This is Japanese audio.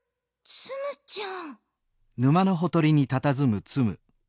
ツムちゃん！